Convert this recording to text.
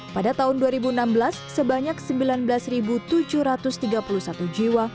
pada tahun dua ribu enam belas sebanyak sembilan belas tujuh ratus tiga puluh satu jiwa